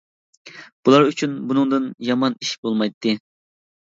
بۇلار ئۈچۈن بۇنىڭدىن يامان ئىش بولمايتتى.